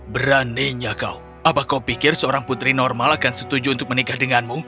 beraninya kau apa kau pikir seorang putri normal akan setuju untuk menikah denganmu